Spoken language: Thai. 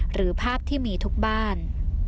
หรือภาพที่มีทุกบ้าน